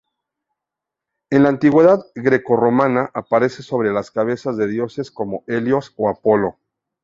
En la antigüedad greco-romana aparece sobre las cabezas de dioses como Helios o Apolo.